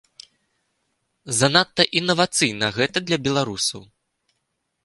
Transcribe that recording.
Занадта інавацыйна гэта для беларусаў.